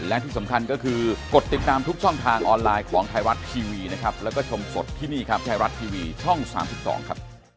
อันนี้คือข้อมูลจากคนที่เขาทำหน้าที่ตรงนี้นะครับ